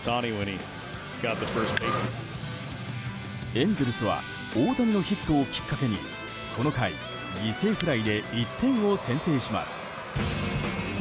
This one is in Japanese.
エンゼルスは大谷のヒットをきっかけにこの回、犠牲フライで１点を先制します。